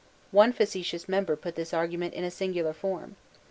One facetious member put this argument in a singular form.